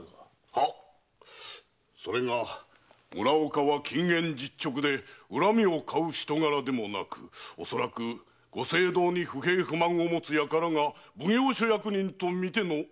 はっそれが村岡は謹厳実直で恨みを買う人柄でもなくおそらくご政道に不平不満を持つ輩が奉行所役人と見ての所業かと。